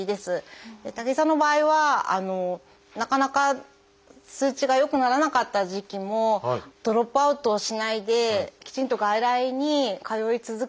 武井さんの場合はなかなか数値が良くならなかった時期もドロップアウトしないできちんと外来に通い続けていただいて。